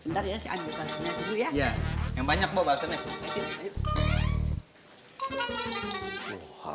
ntar ya si anjo bahasannya dulu ya